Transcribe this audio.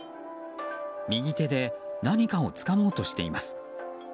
右手で何かをつかもうとしています。